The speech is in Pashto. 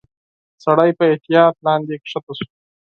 سړی په احتياط لاندي کښته شو.